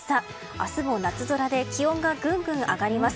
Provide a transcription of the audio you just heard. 明日も夏空で気温がぐんぐん上がります。